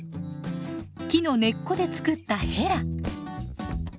木の根っこで作ったヘラ。